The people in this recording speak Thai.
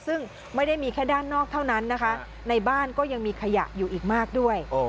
ซึ่งไม่ได้มีแค่ด้านนอกเท่านั้นนะคะในบ้านก็ยังมีขยะอยู่อีกมากด้วย